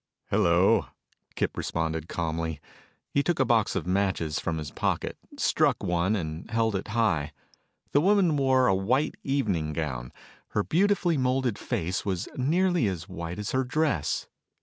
"Hello," Kip responded calmly. He took a box of matches from his pocket, struck one, and held it high. The woman wore a white evening gown. Her beautifully molded face was nearly as white as her dress.